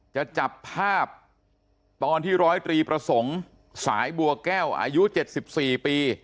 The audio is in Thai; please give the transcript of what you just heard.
จะจับภาพตอนที่ร้อยตรีประสงค์สายบัวแก้วอายุ๗๔ปี